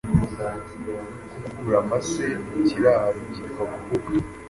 Gukura amase mu kiraro byitwa Gukuka